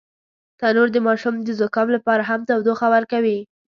تنور د ماشوم د زکام لپاره هم تودوخه ورکوي